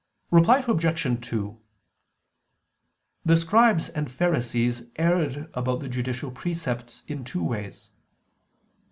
Reply Obj. 2: The Scribes and Pharisees erred about the judicial precepts in two ways.